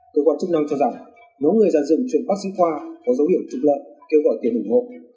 cơ quan chức năng cho rằng nếu người dàn dựng chuyện bác sĩ khoa có dấu hiệu trục lợi kêu gọi tiền ủng hộ